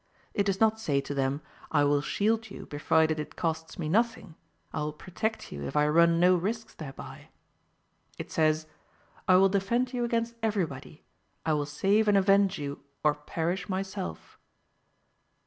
It does not say to them, "I will shield you, provided it costs me nothing; I will protect you, if I run no risks thereby." It says, "I will defend you against everybody; I will save and avenge you, or perish myself."